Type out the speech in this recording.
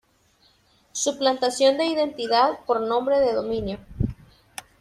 Suplantación de identidad por nombre de dominio.